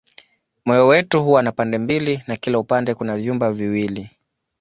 Moyo wetu huwa na pande mbili na kila upande kuna vyumba viwili.